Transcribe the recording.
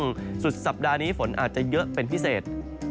ที่สุดสัปดานี้ฝนอาจจะเยาะเพิ่มเป็นพิเศษ